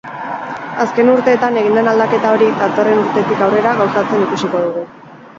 Azken urteetan egin den aldaketa hori, datorren urtetik aurrera gauzatzen ikusiko dugu.